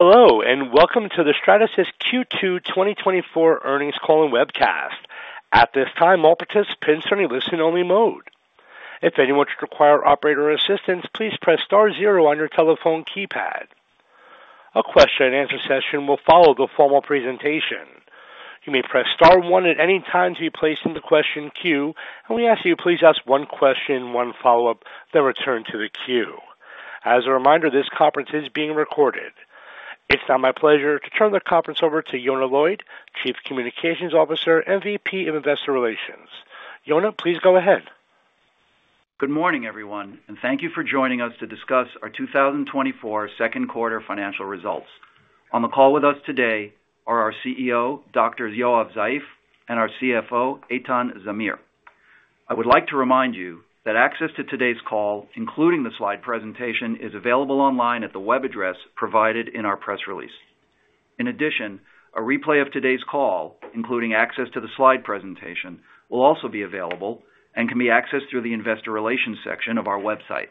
Hello, and welcome to the Stratasys Q2 2024 Earnings Call and Webcast. At this time, all participants are in listen-only mode. If anyone would require operator assistance, please press star zero on your telephone keypad. A question-and-answer session will follow the formal presentation. You may press star one at any time to be placed in the question queue, and we ask you to please ask one question, one follow-up, then return to the queue. As a reminder, this conference is being recorded. It's now my pleasure to turn the conference over to Yonah Lloyd, Chief Communications Officer, and VP of Investor Relations. Yona, please go ahead. Good morning, everyone, and thank you for joining us to discuss our 2024 Second Quarter Financial Results. On the call with us today are our CEO, Dr. Yoav Zeif, and our CFO, Eitan Zamir. I would like to remind you that access to today's call, including the slide presentation, is available online at the web address provided in our press release. In addition, a replay of today's call, including access to the slide presentation, will also be available and can be accessed through the investor relations section of our website.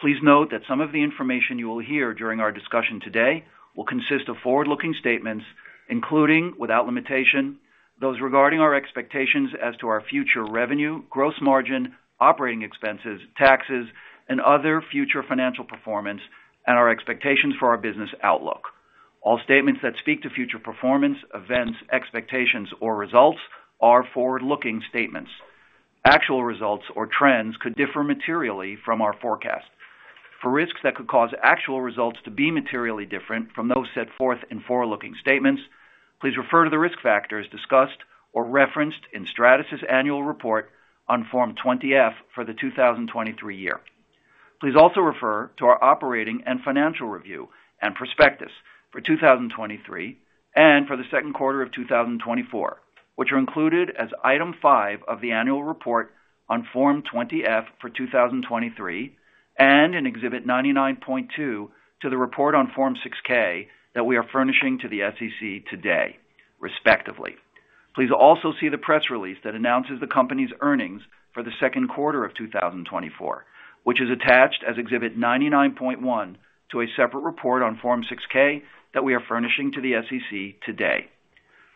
Please note that some of the information you will hear during our discussion today will consist of forward-looking statements, including, without limitation, those regarding our expectations as to our future revenue, gross margin, operating expenses, taxes, and other future financial performance, and our expectations for our business outlook. All statements that speak to future performance, events, expectations, or results are forward-looking statements. Actual results or trends could differ materially from our forecast. For risks that could cause actual results to be materially different from those set forth in forward-looking statements, please refer to the risk factors discussed or referenced in Stratasys' annual report on Form 20-F for the 2023 year. Please also refer to our operating and financial review and prospectus for 2023 and for the second quarter of 2024, which are included as Item 5 of the annual report on Form 20-F for 2023, and in Exhibit 99.2 to the report on Form 6-K that we are furnishing to the SEC today, respectively. Please also see the press release that announces the company's earnings for the second quarter of 2024, which is attached as Exhibit 99.1 to a separate report on Form 6-K that we are furnishing to the SEC today.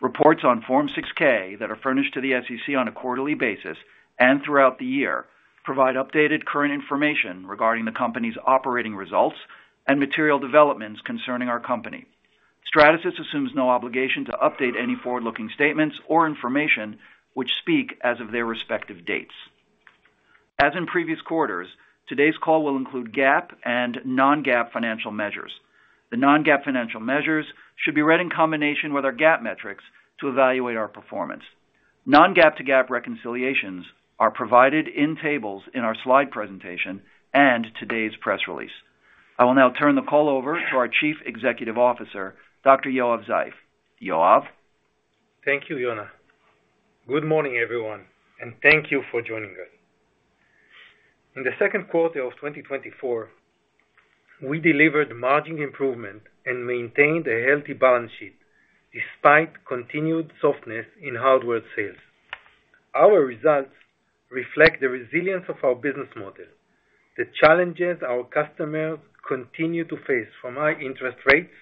Reports on Form 6-K that are furnished to the SEC on a quarterly basis and throughout the year provide updated current information regarding the company's operating results and material developments concerning our company. Stratasys assumes no obligation to update any forward-looking statements or information which speak as of their respective dates. As in previous quarters, today's call will include GAAP and non-GAAP financial measures. The non-GAAP financial measures should be read in combination with our GAAP metrics to evaluate our performance. Non-GAAP to GAAP reconciliations are provided in tables in our slide presentation and today's press release. I will now turn the call over to our Chief Executive Officer, Dr. Yoav Zeif. Yoav? Thank you, Yona. Good morning, everyone, and thank you for joining us. In the second quarter of 2024, we delivered margin improvement and maintained a healthy balance sheet, despite continued softness in hardware sales. Our results reflect the resilience of our business model, the challenges our customers continue to face from high interest rates,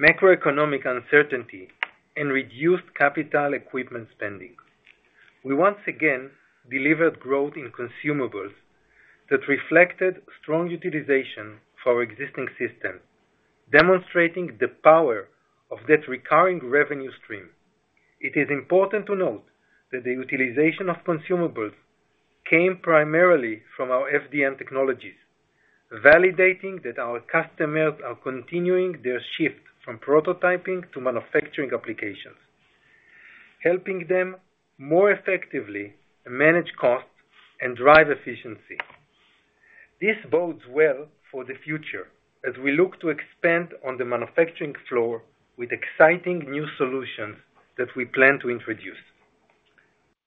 macroeconomic uncertainty, and reduced capital equipment spending. We once again delivered growth in consumables that reflected strong utilization for our existing system, demonstrating the power of that recurring revenue stream. It is important to note that the utilization of consumables came primarily from our FDM technologies, validating that our customers are continuing their shift from prototyping to manufacturing applications, helping them more effectively manage costs and drive efficiency. This bodes well for the future as we look to expand on the manufacturing floor with exciting new solutions that we plan to introduce.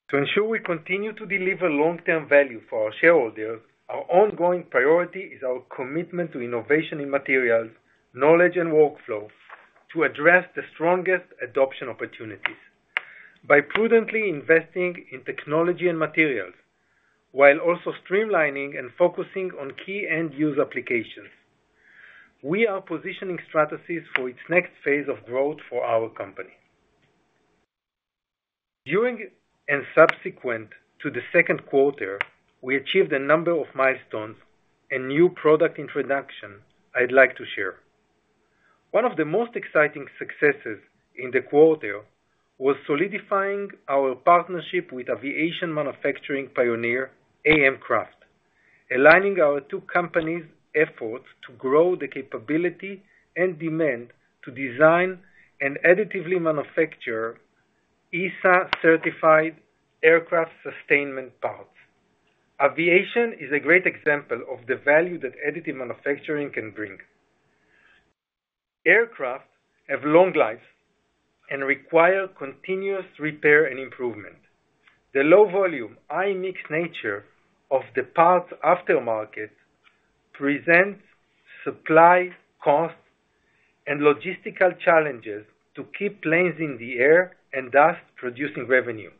To ensure we continue to deliver long-term value for our shareholders, our ongoing priority is our commitment to innovation in materials, knowledge, and workflows to address the strongest adoption opportunities. By prudently investing in technology and materials, while also streamlining and focusing on key end-user applications, we are positioning Stratasys for its next phase of growth for our company. During and subsequent to the second quarter, we achieved a number of milestones and new product introduction I'd like to share. One of the most exciting successes in the quarter was solidifying our partnership with aviation manufacturing pioneer, AM Craft, aligning our two companies' efforts to grow the capability and demand to design and additively manufacture EASA-certified aircraft sustainment parts. Aviation is a great example of the value that additive manufacturing can bring. Aircraft have long lives and require continuous repair and improvement. The low volume, high-mix nature of the parts aftermarket presents supply, cost, and logistical challenges to keep planes in the air and thus producing revenue.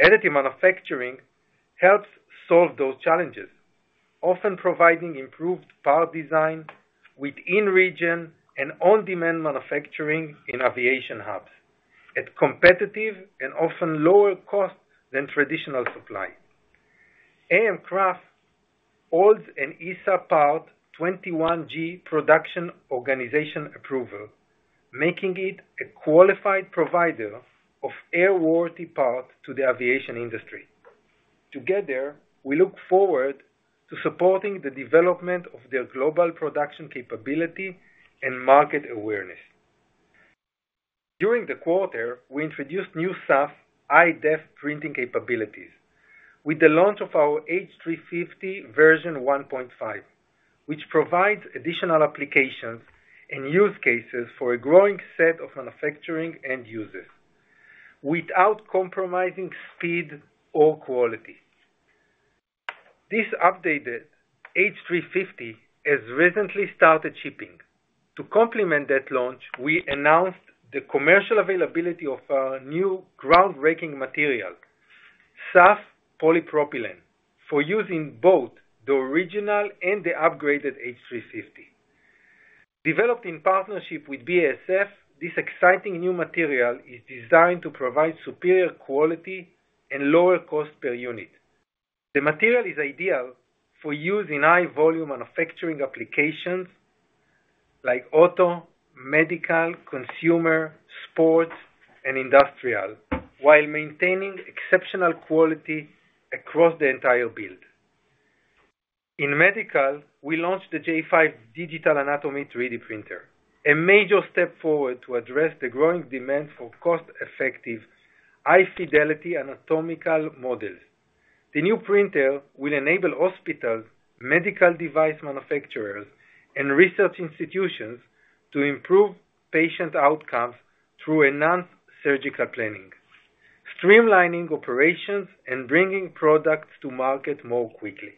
Additive manufacturing helps solve those challenges, often providing improved part design with in-region and on-demand manufacturing in aviation hubs, at competitive and often lower cost than traditional supply. AM Craft holds an EASA Part 21G production organization approval, making it a qualified provider of airworthy parts to the aviation industry. Together, we look forward to supporting the development of their global production capability and market awareness. During the quarter, we introduced new SAF high-def printing capabilities, with the launch of our H350 version 1.5, which provides additional applications and use cases for a growing set of manufacturing end users, without compromising speed or quality. This updated H350 has recently started shipping. To complement that launch, we announced the commercial availability of our new groundbreaking material, SAF Polypropylene, for use in both the original and the upgraded H350. Developed in partnership with BASF, this exciting new material is designed to provide superior quality and lower cost per unit. The material is ideal for use in high volume manufacturing applications like auto, medical, consumer, sports, and industrial, while maintaining exceptional quality across the entire build. In medical, we launched the J5 Digital Anatomy 3D printer, a major step forward to address the growing demand for cost-effective, high-fidelity anatomical models. The new printer will enable hospitals, medical device manufacturers, and research institutions to improve patient outcomes through enhanced surgical planning, streamlining operations, and bringing products to market more quickly.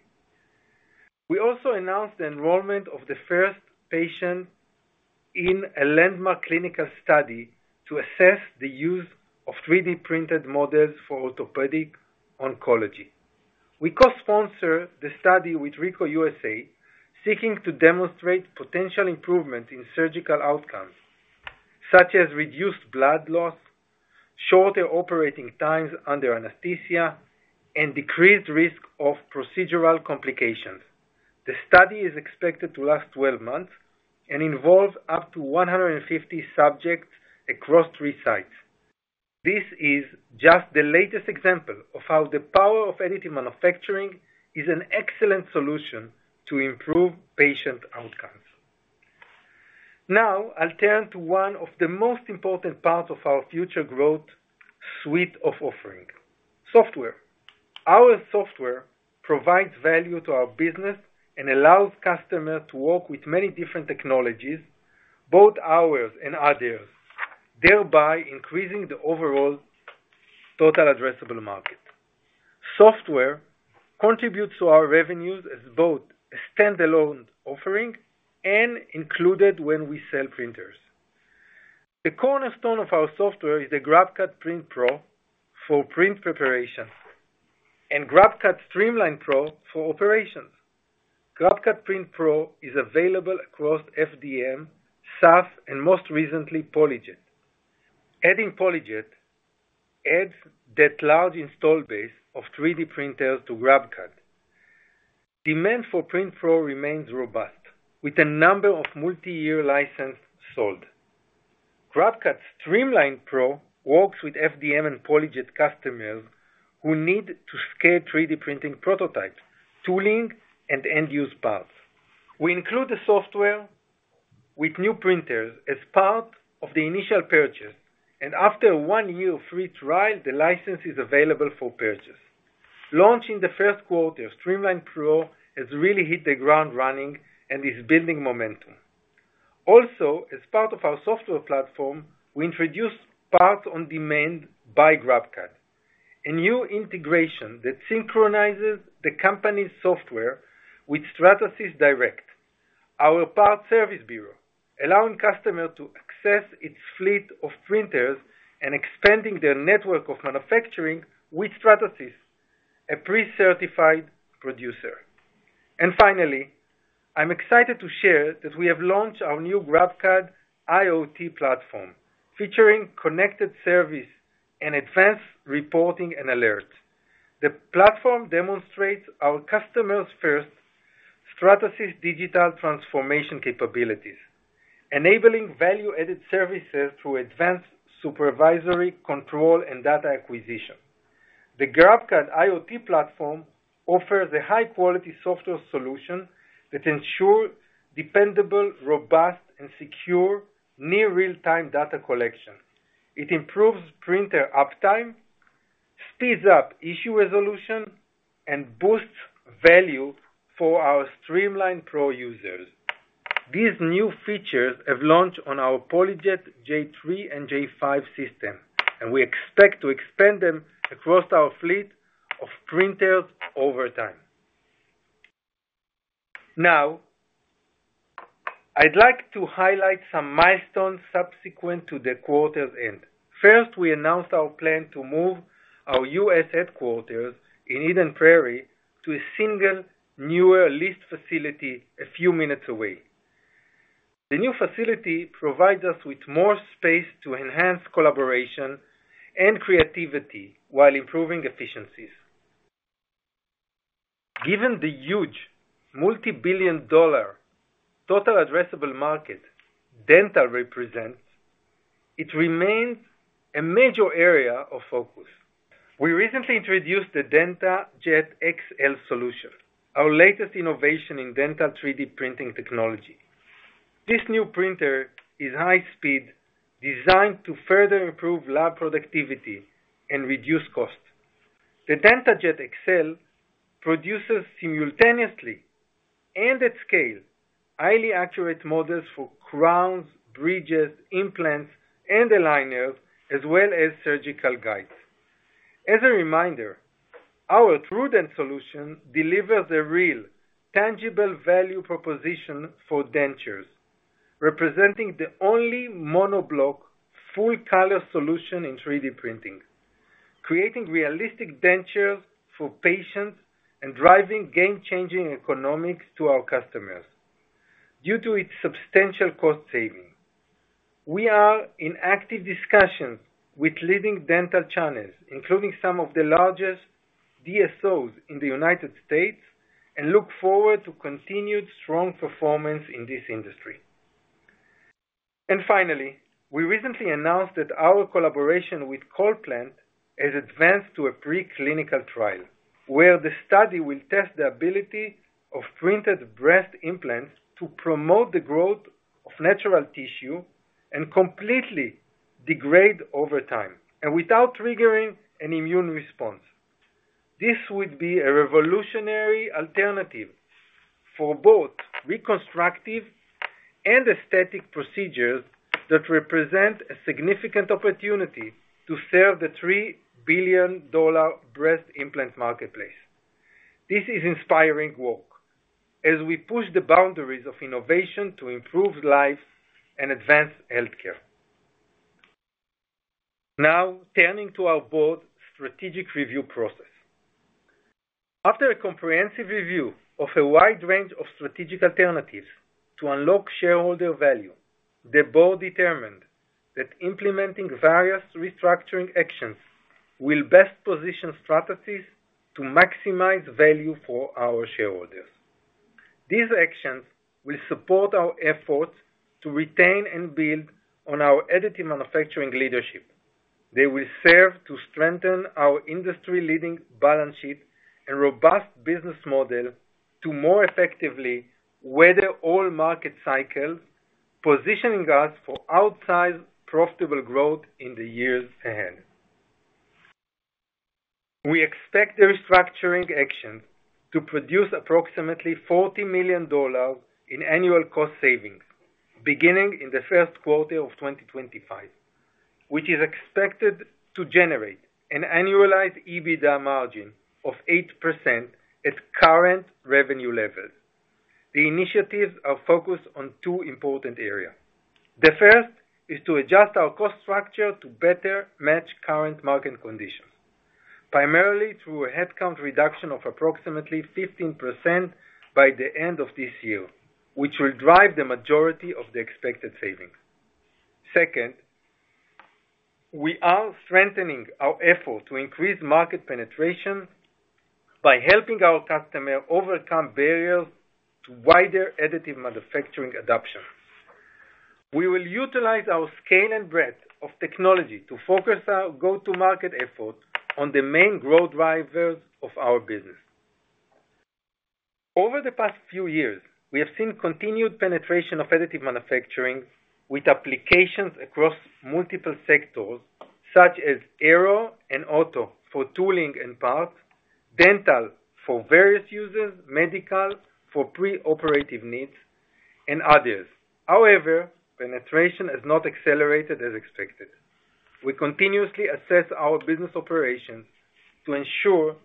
We also announced the enrollment of the first patient in a landmark clinical study to assess the use of 3D-printed models for orthopedic oncology. We co-sponsor the study with Ricoh USA, seeking to demonstrate potential improvement in surgical outcomes, such as reduced blood loss, shorter operating times under anesthesia, and decreased risk of procedural complications. The study is expected to last 12 months and involve up to 150 subjects across 3 sites. This is just the latest example of how the power of additive manufacturing is an excellent solution to improve patient outcomes. Now, I'll turn to one of the most important parts of our future growth suite of offerings, software. Our software provides value to our business and allows customers to work with many different technologies, both ours and others, thereby increasing the overall total addressable market. Software contributes to our revenues as both a standalone offering and included when we sell printers. The cornerstone of our software is the GrabCAD Print Pro for print preparation and GrabCAD Streamline Pro for operations. GrabCAD Print Pro is available across FDM, SAF, and most recently, PolyJet. Adding PolyJet adds that large installed base of 3D printers to GrabCAD. Demand for Print Pro remains robust, with a number of multiyear licenses sold. GrabCAD Streamline Pro works with FDM and PolyJet customers who need to scale 3D printing prototypes, tooling, and end use parts. We include the software with new printers as part of the initial purchase, and after one year of free trial, the license is available for purchase. Launched in the first quarter, Streamline Pro has really hit the ground running and is building momentum. Also, as part of our software platform, we introduced Parts on Demand by GrabCAD, a new integration that synchronizes the company's software with Stratasys Direct, our parts service bureau, allowing customers to access its fleet of printers and expanding their network of manufacturing with Stratasys, a pre-certified producer, and finally, I'm excited to share that we have launched our new GrabCAD IoT platform, featuring connected service and advanced reporting and alerts. The platform demonstrates our customer-first Stratasys digital transformation capabilities, enabling value-added services through advanced supervisory control and data acquisition. The GrabCAD IoT platform offers a high-quality software solution that ensures dependable, robust, and secure near real-time data collection. It improves printer uptime, speeds up issue resolution, and boosts value for our Streamline Pro users. These new features have launched on our PolyJet J3 and J5 system, and we expect to expand them across our fleet of printers over time. Now, I'd like to highlight some milestones subsequent to the quarter's end. First, we announced our plan to move our U.S. headquarters in Eden Prairie to a single, newer leased facility a few minutes away. The new facility provides us with more space to enhance collaboration and creativity while improving efficiencies. Given the huge multibillion-dollar total addressable market dental represents, it remains a major area of focus. We recently introduced the DentaJet XL solution, our latest innovation in dental 3D printing technology. This new printer is high speed, designed to further improve lab productivity and reduce cost. The DentaJet XL produces simultaneously and at scale, highly accurate models for crowns, bridges, implants, and aligners, as well as surgical guides. As a reminder, our TrueDent dental solution delivers a real, tangible value proposition for dentures, representing the only monoblock full-color solution in 3D printing, creating realistic dentures for patients and driving game-changing economics to our customers due to its substantial cost saving. We are in active discussions with leading dental channels, including some of the largest DSOs in the United States, and look forward to continued strong performance in this industry. Finally, we recently announced that our collaboration with CollPlant has advanced to a preclinical trial, where the study will test the ability of printed breast implants to promote the growth of natural tissue and completely degrade over time, and without triggering an immune response. This would be a revolutionary alternative for both reconstructive and aesthetic procedures that represent a significant opportunity to serve the $3 billion breast implant marketplace. This is inspiring work as we push the boundaries of innovation to improve lives and advance healthcare. Now, turning to our Board's strategic review process. After a comprehensive review of a wide range of strategic alternatives to unlock shareholder value, the board determined that implementing various restructuring actions will best position Stratasys to maximize value for our shareholders. These actions will support our efforts to retain and build on our additive manufacturing leadership. They will serve to strengthen our industry-leading balance sheet and robust business model to more effectively weather all market cycles, positioning us for outsized, profitable growth in the years ahead. We expect the restructuring actions to produce approximately $40 million in annual cost savings, beginning in the first quarter of 2025, which is expected to generate an annualized EBITDA margin of 8% at current revenue levels. The initiatives are focused on two important areas. The first is to adjust our cost structure to better match current market conditions, primarily through a headcount reduction of approximately 15% by the end of this year, which will drive the majority of the expected savings. Second, we are strengthening our effort to increase market penetration by helping our customer overcome barriers to wider additive manufacturing adoption. We will utilize our scale and breadth of technology to focus our go-to-market effort on the main growth drivers of our business. Over the past few years, we have seen continued penetration of additive manufacturing with applications across multiple sectors, such as aero and auto for tooling and parts, dental for various uses, medical for pre-operative needs, and others. However, penetration has not accelerated as expected. We continuously assess our business operations to ensure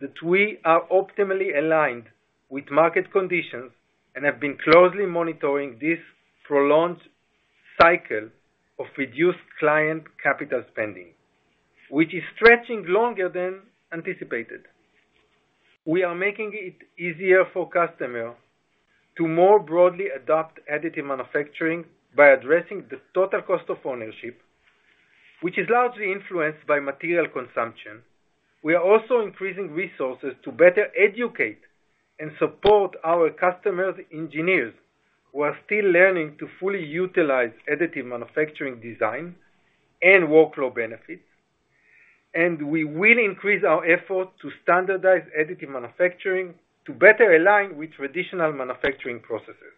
that we are optimally aligned with market conditions and have been closely monitoring this prolonged cycle of reduced client capital spending, which is stretching longer than anticipated. We are making it easier for customers to more broadly adopt additive manufacturing by addressing the total cost of ownership, which is largely influenced by material consumption. We are also increasing resources to better educate and support our customers' engineers, who are still learning to fully utilize additive manufacturing design and workflow benefits, and we will increase our effort to standardize additive manufacturing to better align with traditional manufacturing processes.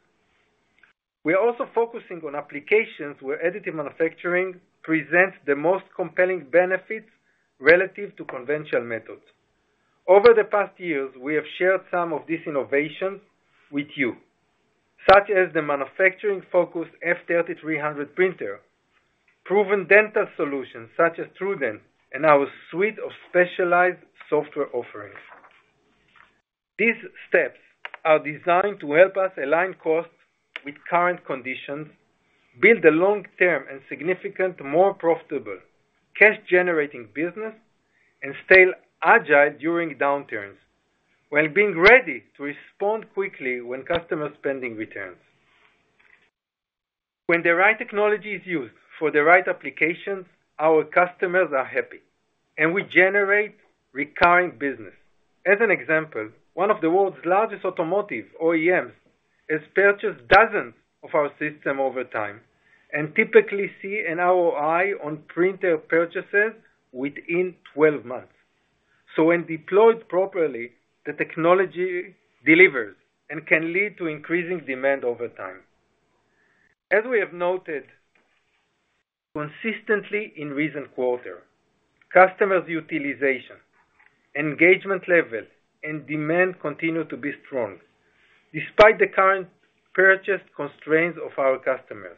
We are also focusing on applications where additive manufacturing presents the most compelling benefits relative to conventional methods. Over the past years, we have shared some of these innovations with you... such as the manufacturing-focused F3300 printer, proven dental solutions such as TrueDent, and our suite of specialized software offerings. These steps are designed to help us align costs with current conditions, build a long-term and significant, more profitable, cash-generating business, and stay agile during downturns, while being ready to respond quickly when customer spending returns. When the right technology is used for the right applications, our customers are happy, and we generate recurring business. As an example, one of the world's largest automotive OEMs, has purchased dozens of our system over time and typically see an ROI on printer purchases within twelve months. So when deployed properly, the technology delivers and can lead to increasing demand over time. As we have noted consistently in recent quarter, customers' utilization, engagement levels, and demand continue to be strong, despite the current purchase constraints of our customers.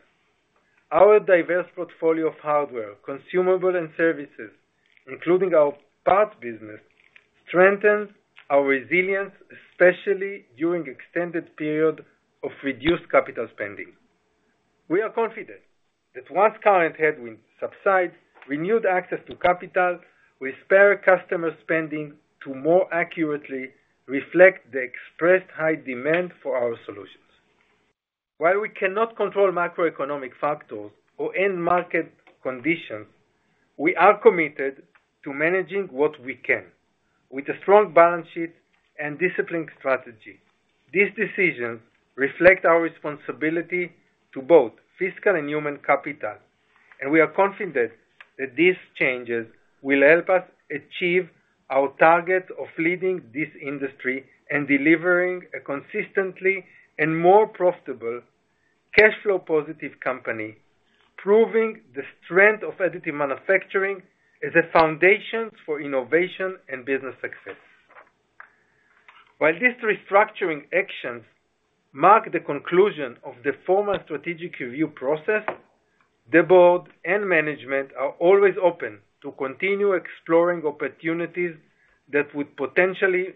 Our diverse portfolio of hardware, consumable and services, including our parts business, strengthens our resilience, especially during extended period of reduced capital spending. We are confident that once current headwind subsides, renewed access to capital will spur customer spending to more accurately reflect the expressed high demand for our solutions. While we cannot control macroeconomic factors or end market conditions, we are committed to managing what we can, with a strong balance sheet and disciplined strategy. These decisions reflect our responsibility to both fiscal and human capital, and we are confident that these changes will help us achieve our target of leading this industry and delivering a consistently and more profitable cash flow positive company, proving the strength of additive manufacturing as a foundation for innovation and business success. While these restructuring actions mark the conclusion of the former strategic review process, the board and management are always open to continue exploring opportunities that would potentially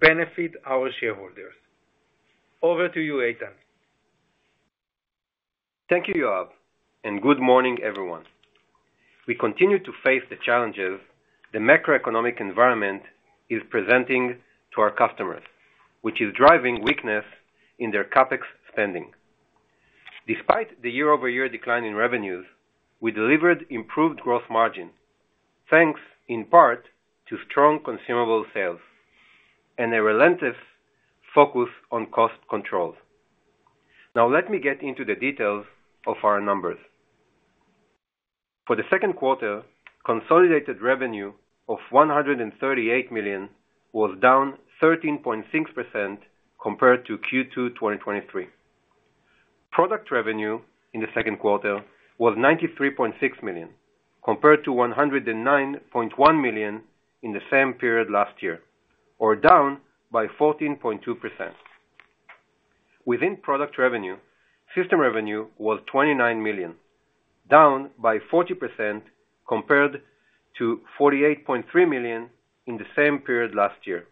benefit our shareholders. Over to you, Eitan. Thank you, Yoav, and good morning, everyone. We continue to face the challenges the macroeconomic environment is presenting to our customers, which is driving weakness in their CapEx spending. Despite the year-over-year decline in revenues, we delivered improved gross margin, thanks in part to strong consumable sales and a relentless focus on cost controls. Now, let me get into the details of our numbers. For the second quarter, consolidated revenue of $138 million was down 13.6% compared to Q2 2023. Product revenue in the second quarter was $93.6 million, compared to $109.1 million in the same period last year, or down by 14.2%. Within product revenue, system revenue was $29 million, down by 40% compared to $48.3 million in the same period last year,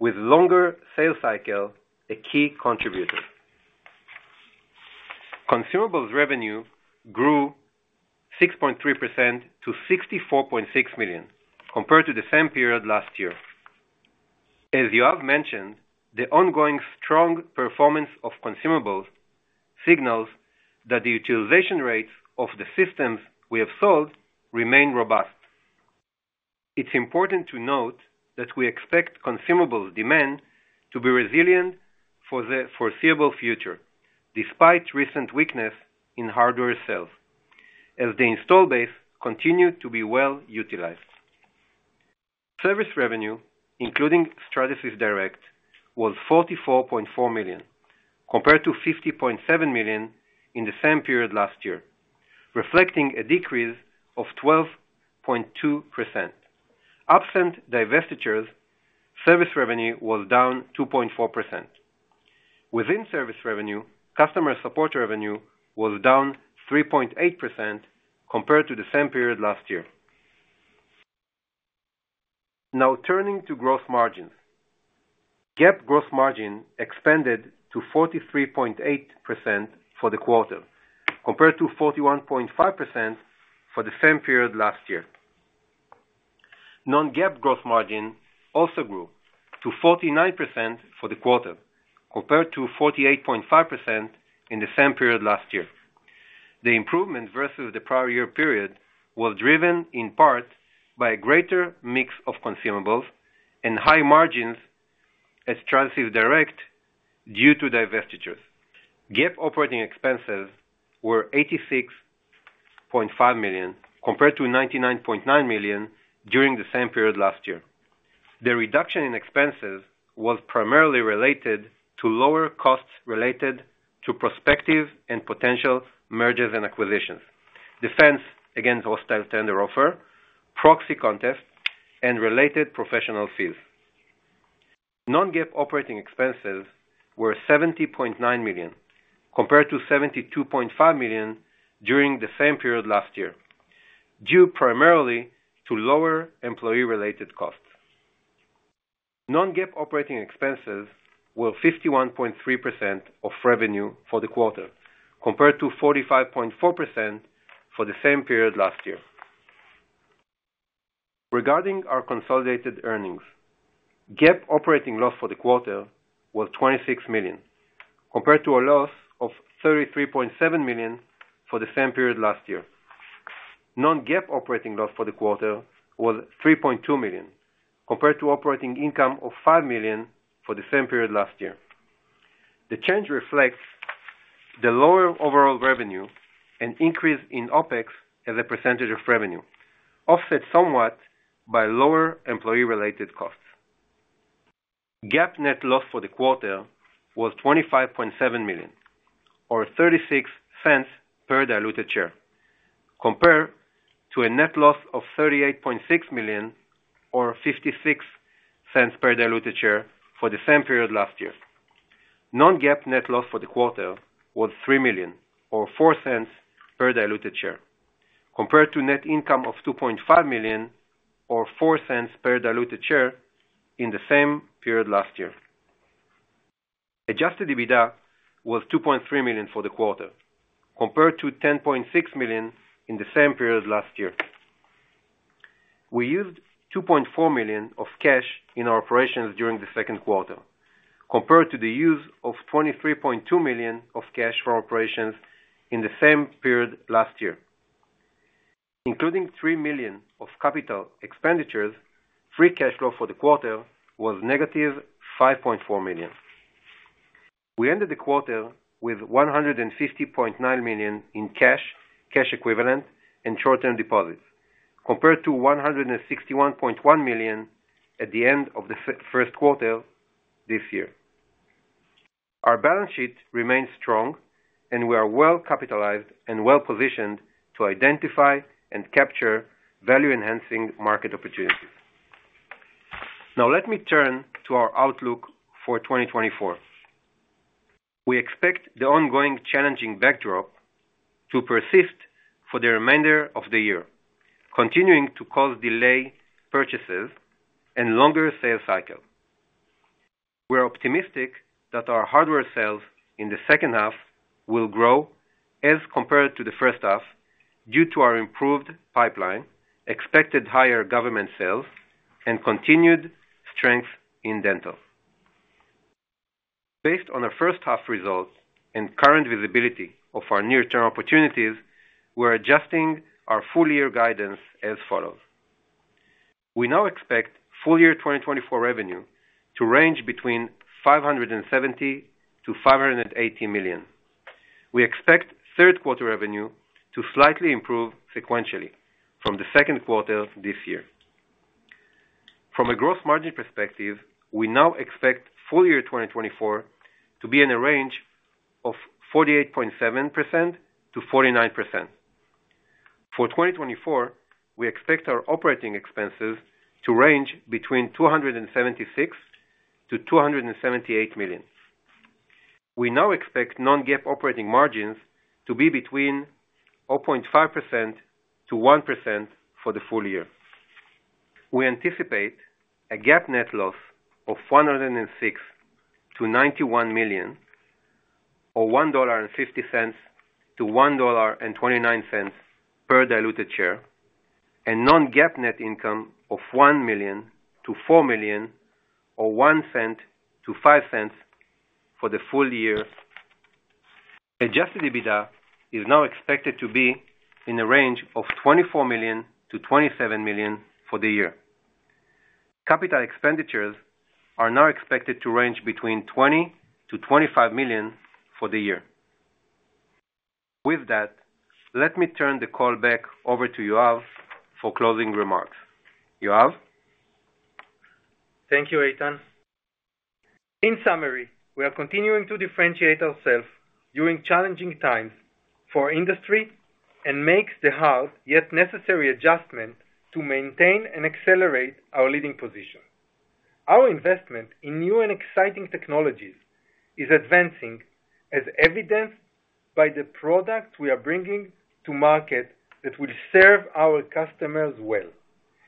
with longer sales cycle, a key contributor. Consumables revenue grew 6.3% to $64.6 million, compared to the same period last year. As Yoav mentioned, the ongoing strong performance of consumables signals that the utilization rates of the systems we have sold remain robust. It's important to note that we expect consumables demand to be resilient for the foreseeable future, despite recent weakness in hardware sales, as the install base continued to be well utilized. Service revenue, including Stratasys Direct, was $44.4 million, compared to $50.7 million in the same period last year, reflecting a decrease of 12.2%. Absent divestitures, service revenue was down 2.4%. Within service revenue, customer support revenue was down 3.8% compared to the same period last year. Now, turning to gross margins. GAAP gross margin expanded to 43.8% for the quarter, compared to 41.5% for the same period last year. Non-GAAP gross margin also grew to 49% for the quarter, compared to 48.5% in the same period last year. The improvement versus the prior year period was driven in part by a greater mix of consumables and high margins at Stratasys Direct due to divestitures. GAAP operating expenses were $86.5 million, compared to $99.9 million during the same period last year. The reduction in expenses was primarily related to lower costs related to prospective and potential mergers and acquisitions, defense against hostile tender offer, proxy contest, and related professional fees. Non-GAAP operating expenses were $70.9 million, compared to $72.5 million during the same period last year, due primarily to lower employee-related costs. Non-GAAP operating expenses were 51.3% of revenue for the quarter, compared to 45.4% for the same period last year. Regarding our consolidated earnings, GAAP operating loss for the quarter was $26 million, compared to a loss of $33.7 million for the same period last year. Non-GAAP operating loss for the quarter was $3.2 million, compared to operating income of $5 million for the same period last year. The change reflects the lower overall revenue and increase in OpEx as a percentage of revenue, offset somewhat by lower employee-related costs. GAAP net loss for the quarter was $25.7 million, or $0.36 per diluted share, compared to a net loss of $38.6 million or $0.56 per diluted share for the same period last year. Non-GAAP net loss for the quarter was $3 million or $0.04 per diluted share, compared to net income of $2.5 million or $0.04 per diluted share in the same period last year. Adjusted EBITDA was $2.3 million for the quarter, compared to $10.6 million in the same period last year. We used $2.4 million of cash in our operations during the second quarter, compared to the use of $23.2 million of cash from operations in the same period last year. Including $3 million of capital expenditures, free cash flow for the quarter was negative $5.4 million. We ended the quarter with $150.9 million in cash, cash equivalents, and short-term deposits, compared to $161.1 million at the end of the first quarter this year. Our balance sheet remains strong, and we are well capitalized and well-positioned to identify and capture value-enhancing market opportunities. Now, let me turn to our outlook for 2024. We expect the ongoing challenging backdrop to persist for the remainder of the year, continuing to cause delayed purchases and longer sales cycles. We're optimistic that our hardware sales in the second half will grow as compared to the first half, due to our improved pipeline, expected higher government sales, and continued strength in dental. Based on our first half results and current visibility of our near-term opportunities, we're adjusting our full year guidance as follows: We now expect full year 2024 revenue to range between $570 million and $580 million. We expect third quarter revenue to slightly improve sequentially from the second quarter this year. From a gross margin perspective, we now expect full year 2024 to be in a range of 48.7% to 49%. For 2024, we expect our operating expenses to range between $276 million and $278 million. We now expect non-GAAP operating margins to be between 0.5% and 1% for the full year. We anticipate a GAAP net loss of $106-$91 million, or $1.50-$1.29 per diluted share, and non-GAAP net income of $1-$4 million, or $0.01-$0.05 for the full year. Adjusted EBITDA is now expected to be in the range of $24-$27 million for the year. Capital expenditures are now expected to range between $20-$25 million for the year. With that, let me turn the call back over to Yoav for closing remarks. Yoav? Thank you, Eitan. In summary, we are continuing to differentiate ourselves during challenging times for our industry and make the hard, yet necessary adjustments to maintain and accelerate our leading position. Our investment in new and exciting technologies is advancing, as evidenced by the products we are bringing to market that will serve our customers well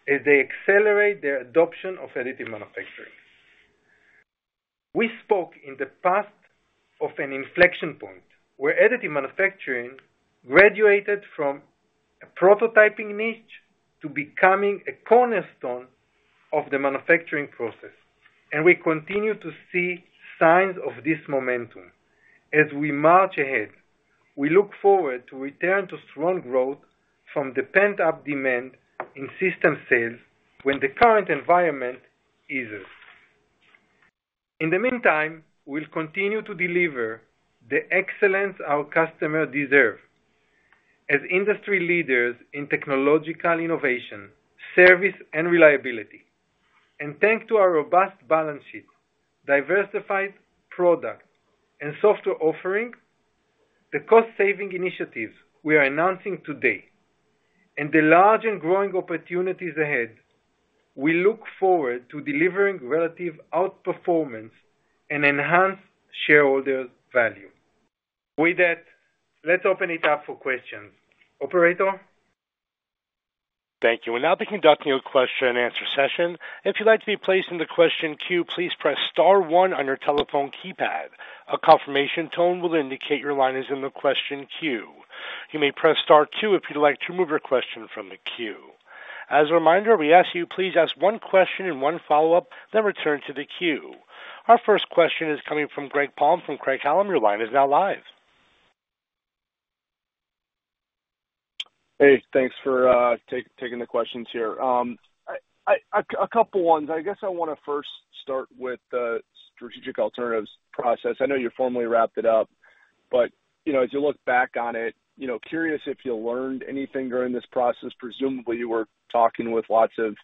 as they accelerate their adoption of additive manufacturing. We spoke in the past of an inflection point, where additive manufacturing graduated from a prototyping niche to becoming a cornerstone of the manufacturing process, and we continue to see signs of this momentum. As we march ahead, we look forward to return to strong growth from the pent-up demand in system sales when the current environment eases. In the meantime, we'll continue to deliver the excellence our customers deserve as industry leaders in technological innovation, service, and reliability. Thanks to our robust balance sheet, diversified products and software offering... The cost saving initiatives we are announcing today and the large and growing opportunities ahead, we look forward to delivering relative outperformance and enhanced shareholder value. With that, let's open it up for questions. Operator? Thank you. We'll now be conducting a question-and-answer session. If you'd like to be placed in the question queue, please press star one on your telephone keypad. A confirmation tone will indicate your line is in the question queue. You may press star two if you'd like to remove your question from the queue. As a reminder, we ask you, please ask one question and one follow-up, then return to the queue. Our first question is coming from Greg Palm from Craig-Hallum. Your line is now live. Hey, thanks for taking the questions here. A couple ones. I guess I want to first start with the strategic alternatives process. I know you formally wrapped it up, but you know, as you look back on it, you know, curious if you learned anything during this process. Presumably, you were talking with lots of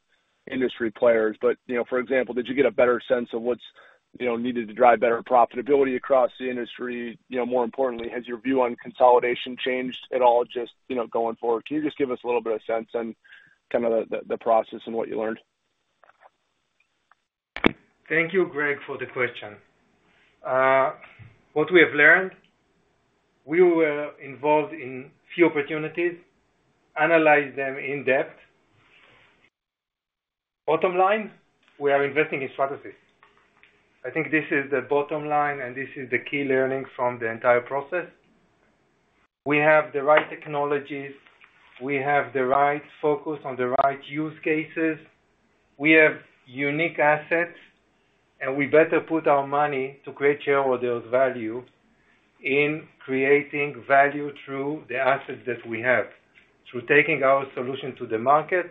industry players, but you know, for example, did you get a better sense of what's you know, needed to drive better profitability across the industry? You know, more importantly, has your view on consolidation changed at all, just you know, going forward? Can you just give us a little bit of sense on kind of the process and what you learned? Thank you, Greg, for the question. What we have learned, we were involved in few opportunities, analyzed them in-depth. Bottom line, we are investing in Stratasys. I think this is the bottom line, and this is the key learning from the entire process. We have the right technologies, we have the right focus on the right use cases, we have unique assets, and we better put our money to create shareholder value in creating value through the assets that we have, through taking our solution to the market.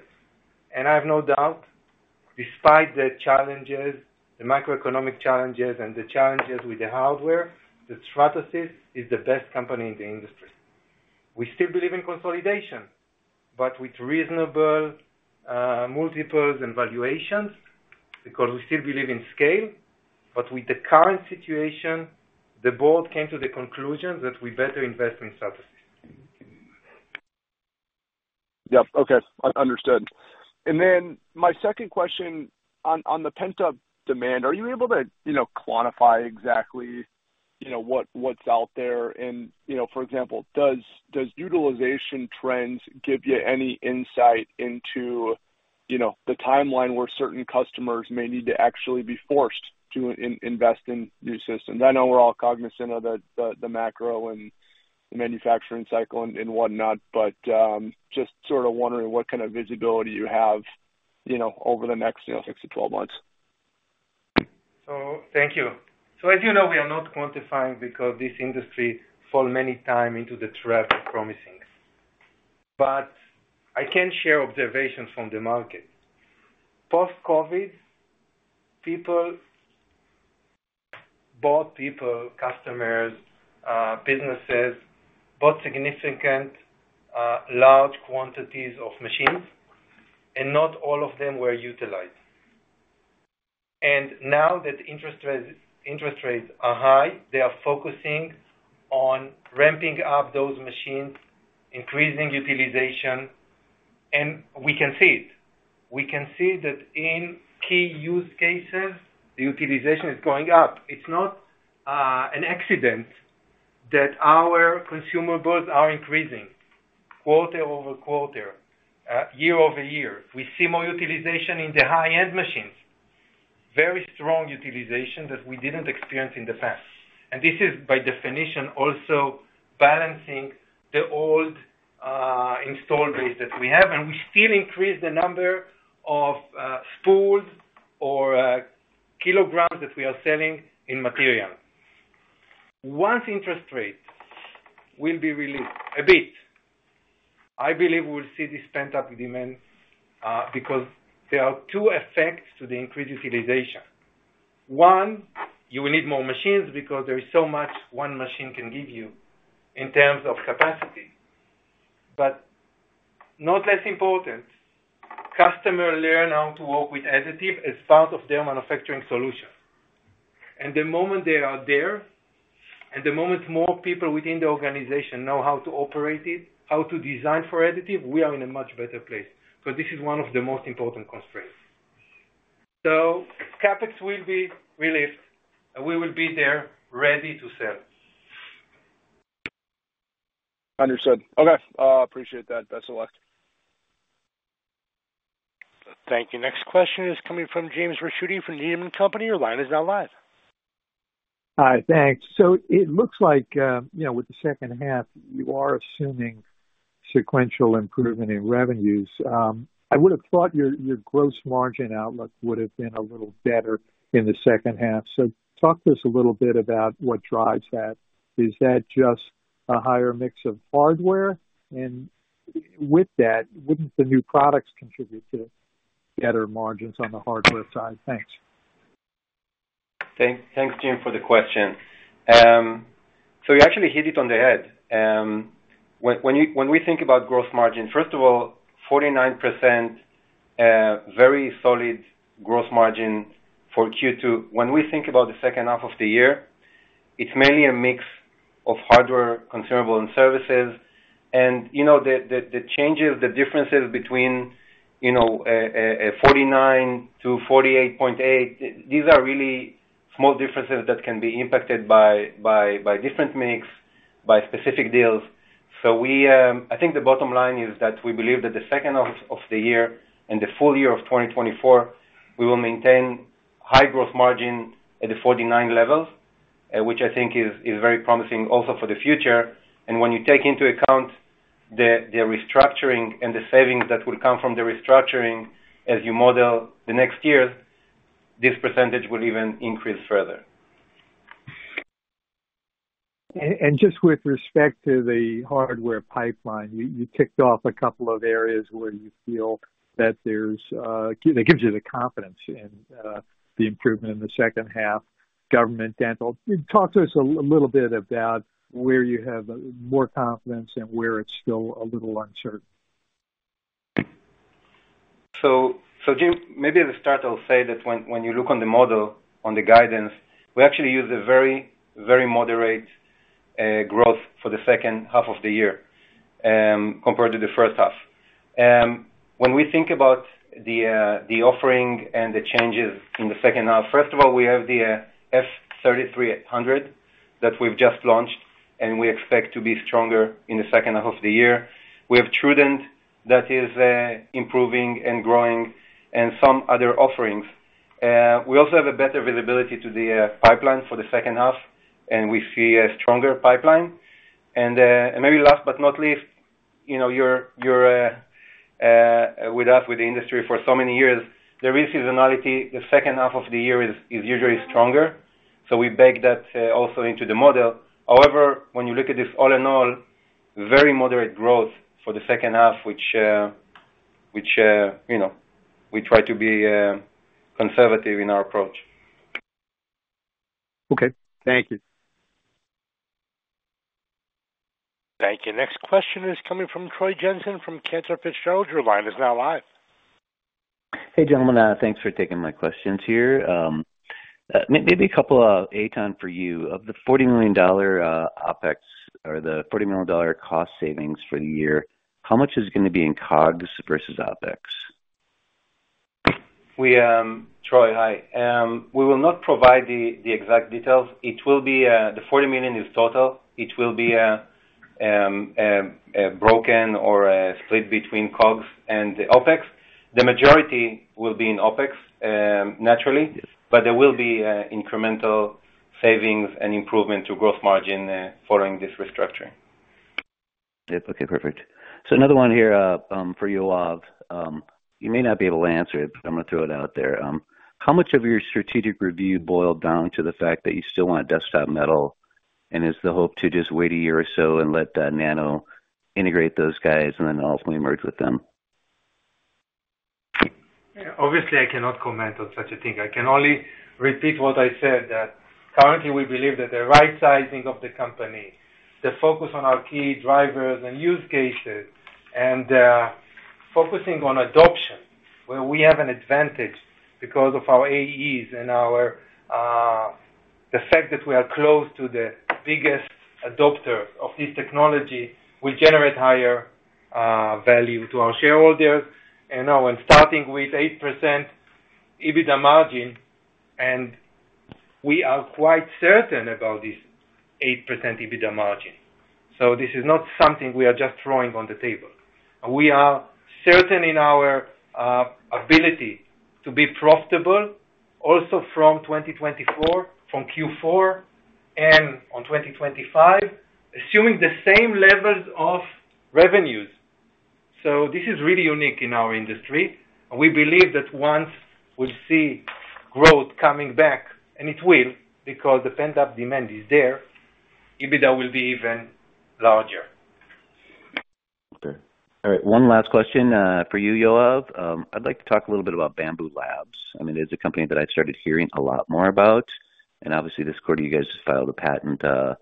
And I have no doubt, despite the challenges, the macroeconomic challenges and the challenges with the hardware, that Stratasys is the best company in the industry. We still believe in consolidation, but with reasonable multiples and valuations, because we still believe in scale. But with the current situation, the board came to the conclusion that we better invest in Stratasys. Yep. Okay, understood. And then my second question on the pent-up demand, are you able to, you know, quantify exactly, you know, what's out there? And, you know, for example, does utilization trends give you any insight into, you know, the timeline where certain customers may need to actually be forced to invest in new systems? I know we're all cognizant of the macro and the manufacturing cycle and whatnot, but just sort of wondering what kind of visibility you have, you know, over the next, you know, six to 12 months. So thank you. So as you know, we are not quantifying because this industry falls many times into the trap of promising. But I can share observations from the market. Post-COVID, people, customers, businesses bought significant, large quantities of machines, and not all of them were utilized. And now that interest rates are high, they are focusing on ramping up those machines, increasing utilization, and we can see it. We can see that in key use cases, the utilization is going up. It's not an accident that our consumables are increasing quarter over quarter, year-over-year. We see more utilization in the high-end machines, very strong utilization that we didn't experience in the past. And this is, by definition, also balancing the old, installed base that we have, and we still increase the number of, spools or, kilograms that we are selling in material. Once interest rates will be released a bit, I believe we will see this pent-up demand, because there are two effects to the increased utilization. One, you will need more machines because there is so much one machine can give you in terms of capacity. But no less important, customers learn how to work with additive as part of their manufacturing solution. And the moment they are there, and the moment more people within the organization know how to operate it, how to design for additive, we are in a much better place, so this is one of the most important constraints. So CapEx will be released, and we will be there ready to sell. Understood. Okay, appreciate that. Best of luck. Thank you. Next question is coming from James Ricchiuti from Needham & Company. Your line is now live. Hi, thanks. So it looks like, you know, with the second half, you are assuming sequential improvement in revenues. I would have thought your gross margin outlook would have been a little better in the second half. So talk to us a little bit about what drives that. Is that just a higher mix of hardware? And with that, wouldn't the new products contribute to better margins on the hardware side? Thanks. Thanks, James, for the question. So you actually hit it on the head. When we think about gross margin, first of all, 49%. Very solid gross margin for Q2. When we think about the second half of the year, it's mainly a mix of hardware, consumable, and services. And, you know, the changes, the differences between, you know, a 49% to 48.8%, these are really small differences that can be impacted by different mix, by specific deals. So we, I think the bottom line is that we believe that the second half of the year and the full year of 2024, we will maintain high gross margin at the 49% levels, which I think is very promising also for the future. And when you take into account the restructuring and the savings that will come from the restructuring as you model the next year, this percentage will even increase further. And just with respect to the hardware pipeline, you ticked off a couple of areas where you feel that there's that gives you the confidence in the improvement in the second half, government, dental. Talk to us a little bit about where you have more confidence and where it's still a little uncertain. Jim, maybe at the start, I'll say that when you look on the model, on the guidance, we actually use a very, very moderate growth for the second half of the year compared to the first half. When we think about the offering and the changes in the second half, first of all, we have the F3300 that we've just launched, and we expect to be stronger in the second half of the year. We have TrueDent that is improving and growing and some other offerings. We also have a better visibility to the pipeline for the second half, and we see a stronger pipeline, and maybe last but not least, you know, you're with us, with the industry for so many years, there is seasonality. The second half of the year is usually stronger, so we bake that also into the model. However, when you look at this all in all, very moderate growth for the second half, which you know, we try to be conservative in our approach. Okay, thank you. Thank you. Next question is coming from Troy Jensen, from Cantor Fitzgerald. Your line is now live. Hey, gentlemen, thanks for taking my questions here. Maybe a couple, Eitan, for you. Of the $40 million OpEx or the $40 million cost savings for the year, how much is going to be in COGS versus OpEx? We, Troy, hi. We will not provide the exact details. It will be, the $40 million is total. It will be split between COGS and the OpEx. The majority will be in OpEx, naturally, but there will be incremental savings and improvement to gross margin following this restructuring. Yep. Okay, perfect. So another one here, for Yoav. You may not be able to answer it, but I'm going to throw it out there. How much of your strategic review boiled down to the fact that you still want Desktop Metal? And is the hope to just wait a year or so and let Nano integrate those guys and then ultimately merge with them? Obviously, I cannot comment on such a thing. I can only repeat what I said, that currently we believe that the right sizing of the company, the focus on our key drivers and use cases, and focusing on adoption, where we have an advantage because of our AEs and our the fact that we are close to the biggest adopter of this technology, will generate higher value to our shareholders, and now, and starting with 8% EBITDA margin, and we are quite certain about this 8% EBITDA margin, so this is not something we are just throwing on the table. We are certain in our ability to be profitable also fro m 2024, from Q4 and on 2025, assuming the same levels of revenues, so this is really unique in our industry. We believe that once we see growth coming back, and it will, because the pent-up demand is there, EBITDA will be even larger. Okay. All right, one last question for you, Yoav. I'd like to talk a little bit about Bambu Lab. I mean, it's a company that I started hearing a lot more about, and obviously this quarter, you guys just filed a patent, a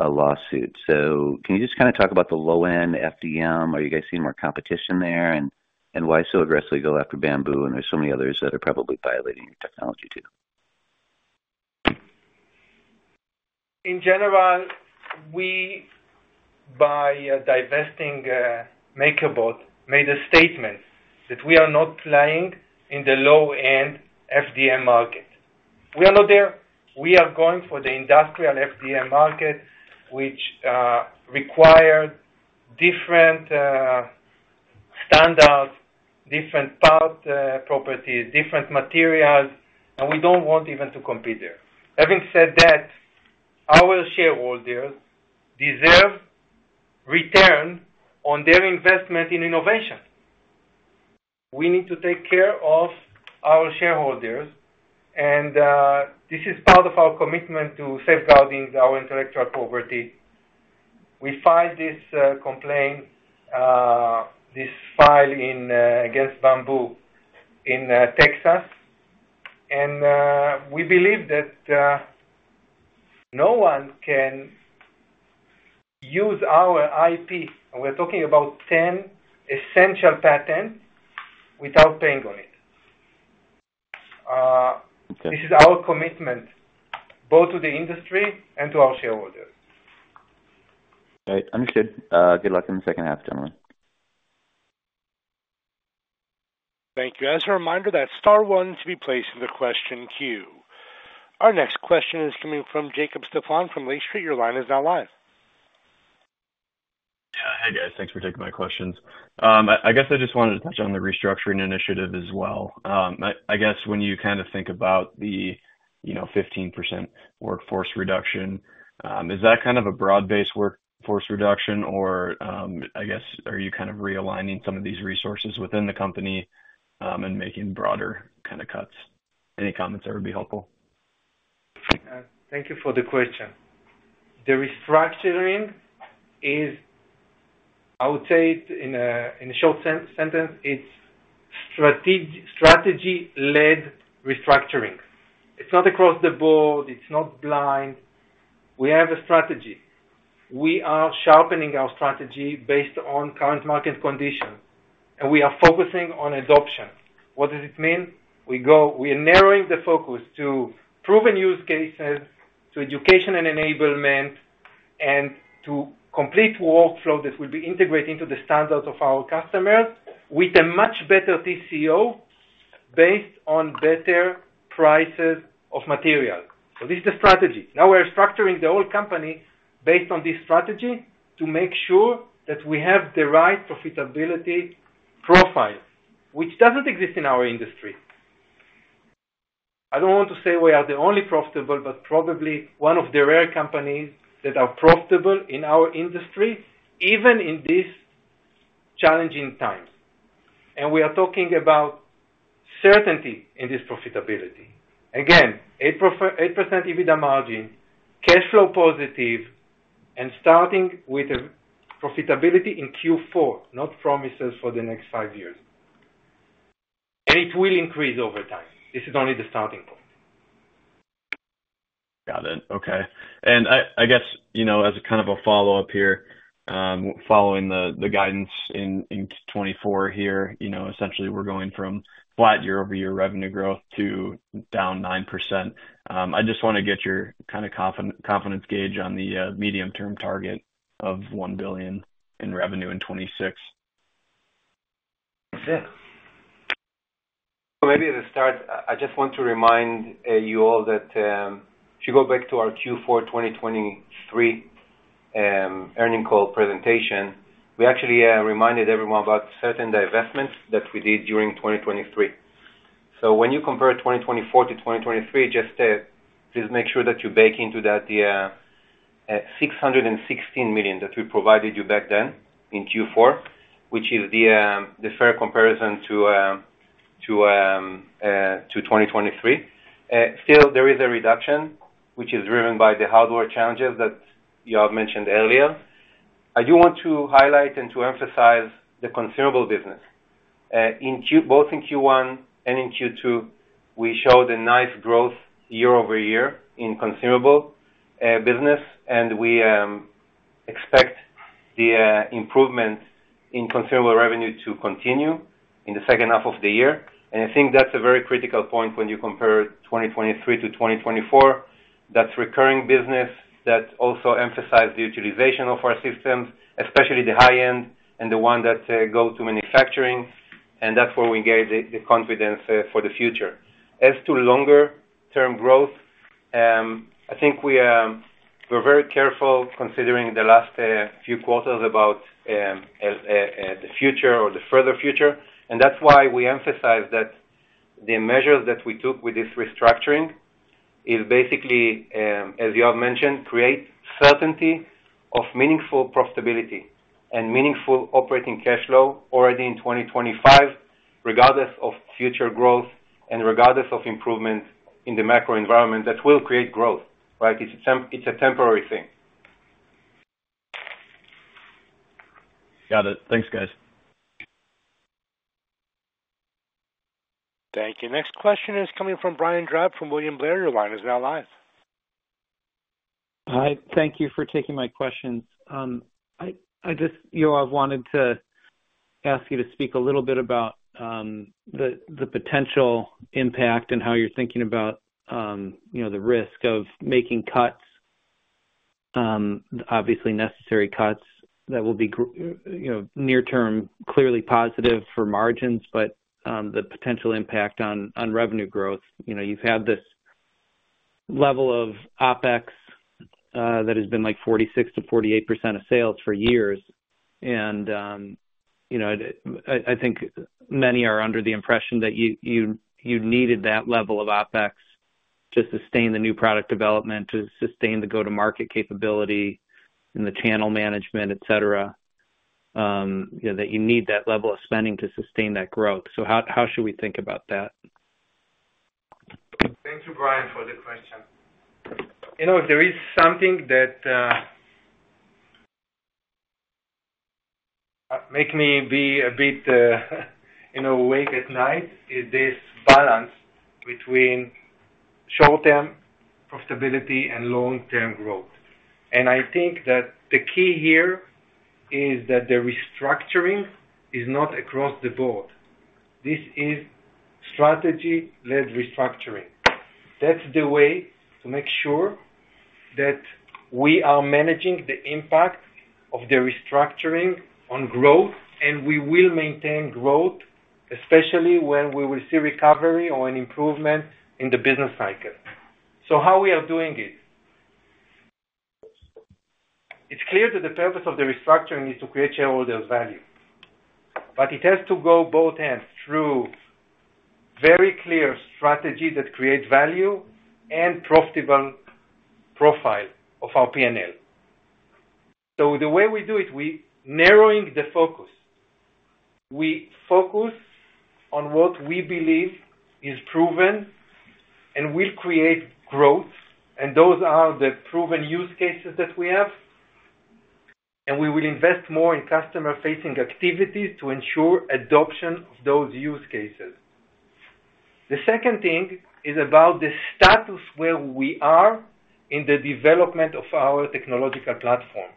lawsuit. So can you just kind of talk about the low-end FDM? Are you guys seeing more competition there? And why so aggressively go after Bambu, and there's so many others that are probably violating your technology too? In general, we, by divesting, MakerBot, made a statement that we are not playing in the low-end FDM market. We are not there. We are going for the industrial FDM market, which require different standards, different part properties, different materials, and we don't want even to compete there. Having said that, our shareholders deserve return on their investment in innovation. We need to take care of our shareholders, and this is part of our commitment to safeguarding our intellectual property. We filed this complaint, this filing against Bambu in Texas, and we believe that no one can use our IP, and we're talking about 10 essential patents, without paying on it. This is our commitment both to the industry and to our shareholders. Right, understood. Good luck in the second half, gentlemen. Thank you. As a reminder, that's star one to be placed in the question queue. Our next question is coming from Jacob Stephan from Lake Street. Your line is now live. Yeah. Hi, guys. Thanks for taking my questions. I guess I just wanted to touch on the restructuring initiative as well. I guess when you kind of think about the, you know, 15% workforce reduction, is that kind of a broad-based workforce reduction or, I guess, are you kind of realigning some of these resources within the company, and making broader kind of cuts? Any comments there would be helpful. Thank you for the question. The restructuring is, I would say it in a short sentence, it's strategy-led restructuring. It's not across the board, it's not blind. We have a strategy. We are sharpening our strategy based on current market conditions, and we are focusing on adoption. What does it mean? We are narrowing the focus to proven use cases, to education and enablement, and to complete workflow that will be integrated into the standards of our customers with a much better TCO, based on better prices of material. So this is the strategy. Now we're structuring the whole company based on this strategy to make sure that we have the right profitability profile, which doesn't exist in our industry. I don't want to say we are the only profitable, but probably one of the rare companies that are profitable in our industry, even in these challenging times. And we are talking about certainty in this profitability. Again, 8% EBITDA margin, cash flow positive, and starting with a profitability in Q4, not promises for the next five years. And it will increase over time. This is only the starting point. Got it. Okay, and I guess, you know, as a kind of a follow-up here, following the guidance in 2024 here, you know, essentially, we're going from flat year-over-year revenue growth to down 9%. I just want to get your kind of confidence gauge on the medium-term target of $1 billion in revenue in 2026. Yeah. Maybe to start, I just want to remind you all that if you go back to our Q4 2023 Earnings Call Presentation, we actually reminded everyone about certain divestments that we did during 2023. So when you compare 2024-2023, just make sure that you bake into that the $616 million that we provided you back then in Q4, which is the the fair comparison to to to 2023. Still, there is a reduction, which is driven by the hardware challenges that Yoav mentioned earlier. I do want to highlight and to emphasize the consumable business. In Q1 and in Q2, we showed a nice growth year-over-year in consumable business, and we expect the improvement in consumable revenue to continue in the second half of the year. And I think that's a very critical point when you compare 2023-2024. That's recurring business that also emphasize the utilization of our systems, especially the high-end and the one that go to manufacturing, and that's where we gain the confidence for the future. As to longer-term growth, I think we're very careful considering the last few quarters about the future or the further future. That's why we emphasize that the measures that we took with this restructuring is basically, as Yoav mentioned, create certainty of meaningful profitability and meaningful operating cash flow already in 2025, regardless of future growth and regardless of improvements in the macro environment that will create growth, right? It's a temporary thing. Got it. Thanks, guys. Thank you. Next question is coming from Brian Drab from William Blair. Your line is now live. Hi, thank you for taking my questions. I just, Yoav, wanted to ask you to speak a little bit about the potential impact and how you're thinking about, you know, the risk of making cuts, obviously necessary cuts that will be you know, near term, clearly positive for margins, but the potential impact on revenue growth. You know, you've had this level of OpEx that has been like 46%-48% of sales for years. And you know, I think many are under the impression that you needed that level of OpEx to sustain the new product development, to sustain the go-to-market capability and the channel management, et cetera, you know, that you need that level of spending to sustain that growth. So how should we think about that? Thank you, Brian, for the question. You know, there is something that makes me a bit, you know, awake at night, is this balance between short-term profitability and long-term growth. I think that the key here is that the restructuring is not across the board. This is strategy-led restructuring. That's the way to make sure that we are managing the impact of the restructuring on growth, and we will maintain growth, especially when we will see recovery or an improvement in the business cycle. So how we are doing it? It's clear that the purpose of the restructuring is to create shareholder value, but it has to go hand in hand through very clear strategy that creates value and profitable profile of our P&L. So the way we do it, we're narrowing the focus. We focus on what we believe is proven and will create growth, and those are the proven use cases that we have, and we will invest more in customer-facing activities to ensure adoption of those use cases. The second thing is about the status where we are in the development of our technological platform.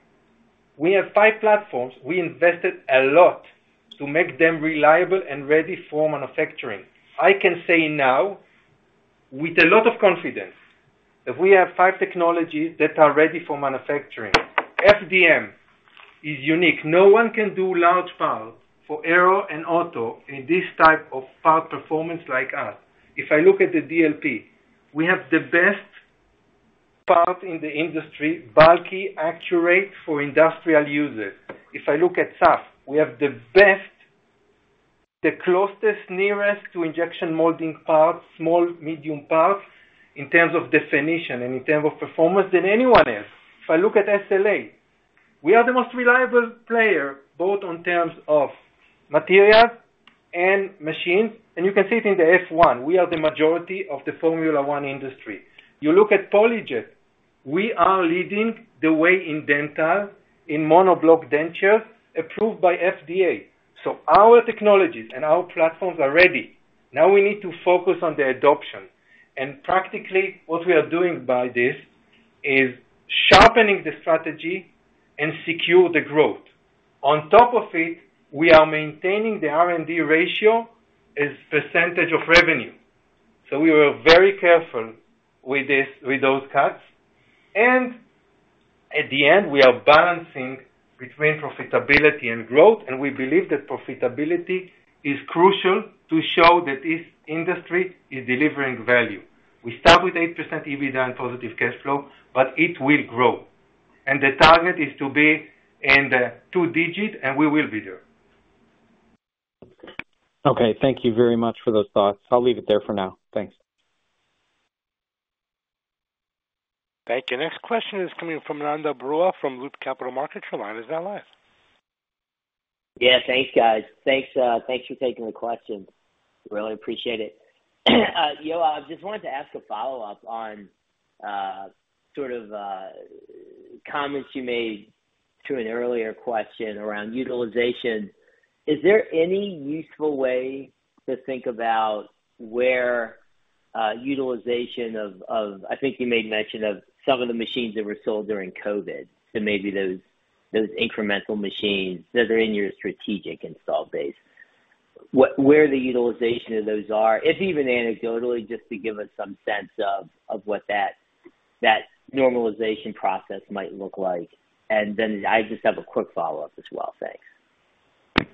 We have five platforms. We invested a lot to make them reliable and ready for manufacturing. I can say now, with a lot of confidence, that we have five technologies that are ready for manufacturing. FDM is unique. No one can do large parts for aero and auto in this type of part performance like us. If I look at the DLP, we have the best part in the industry, bulky, accurate for industrial users. If I look at SAF, we have the best, the closest, nearest to injection molding parts, small, medium parts, in terms of definition and in terms of performance than anyone else. If I look at SLA, we are the most reliable player, both in terms of materials and machines, and you can see it in the F1. We are the majority of the Formula One industry. You look at PolyJet, we are leading the way in dental, in monoblock dentures, approved by FDA. So our technologies and our platforms are ready. Now, we need to focus on the adoption, and practically, what we are doing by this is sharpening the strategy and secure the growth. On top of it, we are maintaining the R&D ratio as percentage of revenue. So we were very careful with this, with those cuts. And at the end, we are balancing between profitability and growth, and we believe that profitability is crucial to show that this industry is delivering value. We start with 8% EBITDA and positive cash flow, but it will grow, and the target is to be in the two-digit, and we will be there. Okay, thank you very much for those thoughts. I'll leave it there for now. Thanks. Thank you. Next question is coming from Ananda Baruah, from Loop Capital Markets. Your line is now live. Yeah, thanks, guys. Thanks, thanks for taking the question. Really appreciate it. Yoav, just wanted to ask a follow-up on, sort of, comments you made to an earlier question around utilization. Is there any useful way to think about where utilization of... I think you made mention of some of the machines that were sold during COVID, so maybe those incremental machines that are in your strategic install base. Where the utilization of those are, if even anecdotally, just to give us some sense of what that normalization process might look like. And then I just have a quick follow-up as well. Thanks.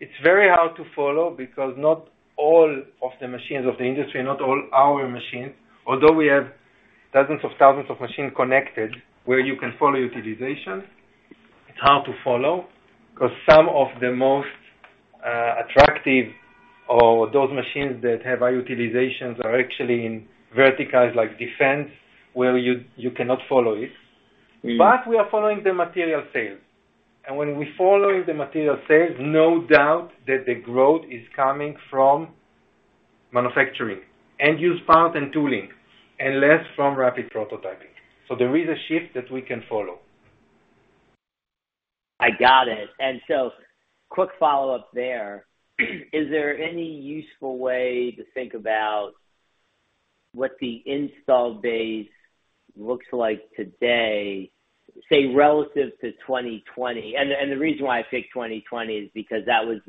It's very hard to follow because not all of the machines of the industry, not all our machines, although we have dozens of thousands of machines connected, where you can follow utilization, it's hard to follow, 'cause some of the most attractive or those machines that have high utilizations are actually in verticals like defense, where you cannot follow it, but we are following the material sales, and when we follow the material sales, no doubt that the growth is coming from manufacturing, end use parts and tooling, and less from rapid prototyping, so there is a shift that we can follow. I got it. And so, quick follow-up there, is there any useful way to think about what the install base looks like today, say, relative to 2020? And the reason why I pick 2020 is because that was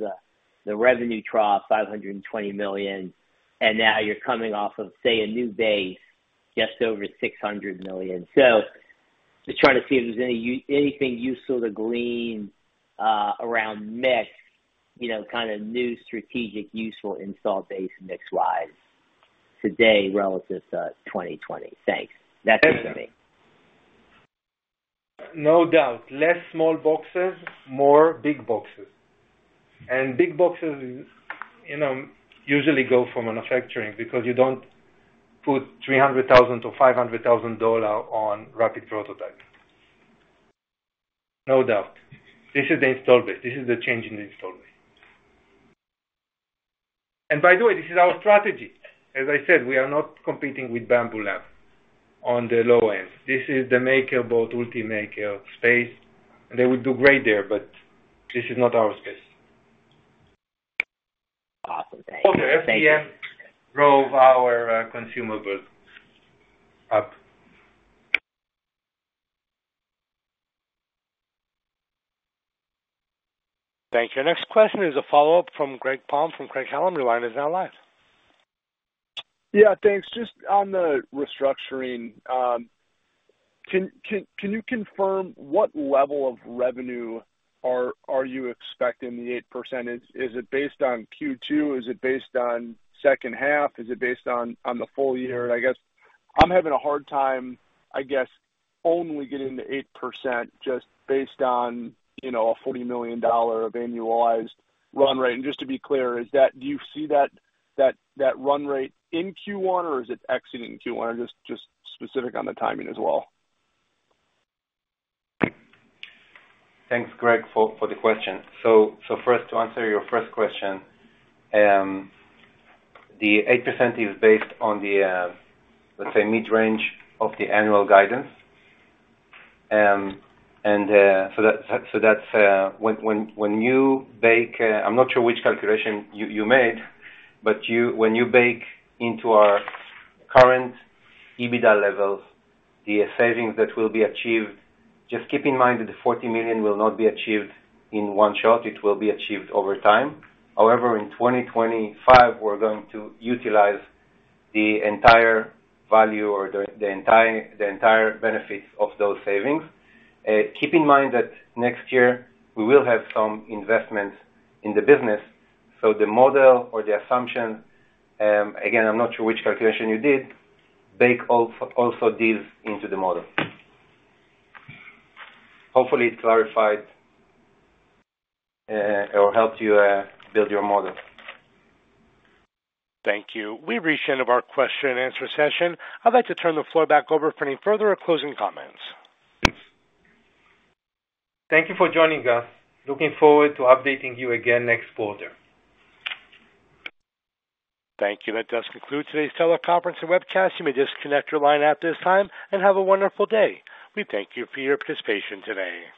the revenue trough, $520 million, and now you're coming off of, say, a new base, just over $600 million. So just trying to see if there's anything useful to glean around mix, you know, kind of new strategic, useful install base mix-wise today relative to 2020. Thanks. That's it for me. No doubt. Less small boxes, more big boxes, and big boxes, you know, usually go from manufacturing because you don't put $300,000-$500,000 on rapid prototype. No doubt. This is the installed base. This is the change in the installed base. And by the way, this is our strategy. As I said, we are not competing with Bambu Lab on the low end. This is the MakerBot, UltiMaker space, and they will do great there, but this is not our space. Awesome. Thank you. Okay, FDM drove our consumer goods up. Thank you. Next question is a follow-up from Greg Palm from Craig-Hallum. Your line is now live. Yeah, thanks. Just on the restructuring, can you confirm what level of revenue are you expecting the 8%? Is it based on Q2? Is it based on second half? Is it based on the full year? I guess I'm having a hard time only getting the 8% just based on, you know, a $40 million annualized run rate. And just to be clear, is that-- do you see that run rate in Q1, or is it exiting Q1? Just specific on the timing as well. Thanks, Greg, for the question. So first, to answer your first question, the 8% is based on the, let's say, mid-range of the annual guidance. And so that's when you bake, I'm not sure which calculation you made, but when you bake into our current EBITDA levels, the savings that will be achieved, just keep in mind that the $40 million will not be achieved in one shot, it will be achieved over time. However, in 2025, we're going to utilize the entire value or the entire benefits of those savings. Keep in mind that next year, we will have some investments in the business, so the model or the assumption, again, I'm not sure which calculation you did, bake also these into the model. Hopefully, it clarified or helped you build your model. Thank you. We've reached the end of our question and answer session. I'd like to turn the floor back over for any further or closing comments. Thank you for joining us. Looking forward to updating you again next quarter. Thank you. That does conclude today's teleconference and webcast. You may disconnect your line at this time, and have a wonderful day. We thank you for your participation today.